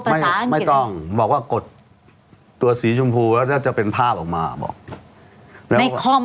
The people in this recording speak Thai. ภาษาไม่ต้องบอกว่ากดตัวสีชมพูแล้วจะเป็นภาพออกมาบอกในคอม